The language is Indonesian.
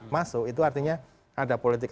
masuk itu artinya ada politik